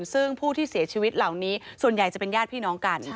ซึ่งผู้ที่เสียชีวิตเหล่านี้ส่วนใหญ่จะเป็นญาติพี่น้องกัน